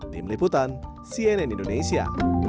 tim liputan cnn indonesia